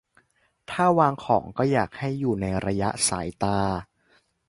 - ถ้าวางของ ก็อยากให้อยู่ในระยะสายตา